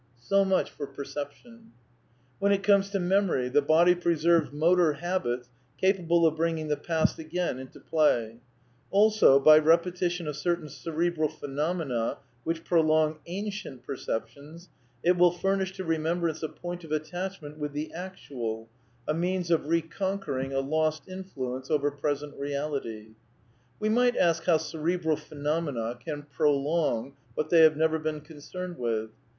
So much for perception. When it comes to memory, the body preserves motor habits capable of bringing the past again into play; also^ by ^^raetition of certain cerebral phenomena which pro long amie:!it perceptions, it will furnish to remembrance a point of att^hment with the actual, a means of recon quering a losxinfluence over present reality." (Pages 251, 252). ^^\..^ We might ask how cere1bral4)henomena can " prolong " j what they have never been concerned with.